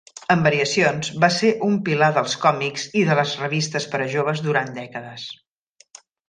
Amb variacions, va ser un pilar dels còmics i de les revistes per a joves durant dècades.